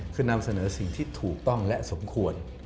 คือนำเสนอสิ่งที่ถูกต้องและสมควร